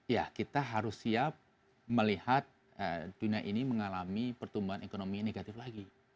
ya kita harus siap melihat dunia ini mengalami pertumbuhan ekonomi negatif lagi